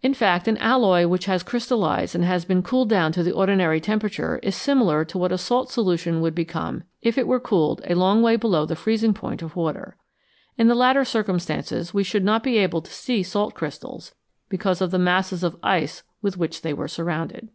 In fact, an alloy which has crystallised and has then been cooled down to the ordinary temperature is similar to what a salt solution would become if it were cooled a long way below the freezing point of water. In the latter circumstances we should not be able to see the salt crystals because of the masses of ice with which they were surrounded.